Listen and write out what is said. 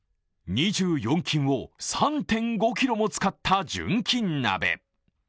２４金を３．５ｋｇも使った純金鍋。